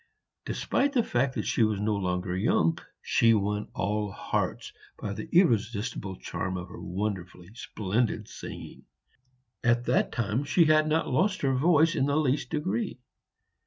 Despite the fact that she was no longer young, she won all hearts by the irresistible charm of her wonderfully splendid singing. At that time she had not lost her voice in the least degree.